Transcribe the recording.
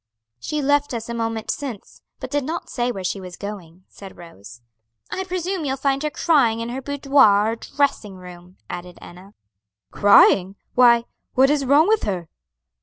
"She left us a moment since, but did not say where she was going," said Rose. "I presume you'll find her crying in her boudoir or dressing room," added Enna. "Crying! Why, what is wrong with her?"